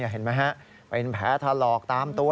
เห็นไหมฮะเป็นแผลถลอกตามตัว